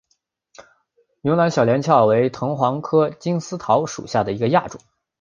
云南小连翘为藤黄科金丝桃属下的一个亚种。